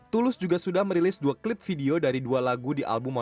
tulus juga sudah merilis dua klip video dari dua lagu di album